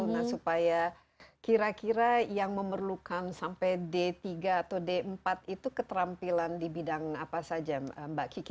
nah supaya kira kira yang memerlukan sampai d tiga atau d empat itu keterampilan di bidang apa saja mbak kiki